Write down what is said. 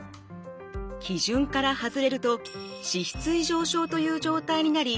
基準から外れると脂質異常症という状態になり